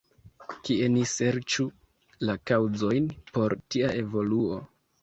Kie ni serĉu la kaŭzojn por tia evoluo?